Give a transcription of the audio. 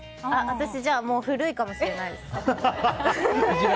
私、じゃあ古いかもしれないです。